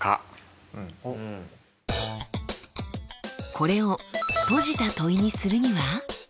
これを閉じた問いにするには？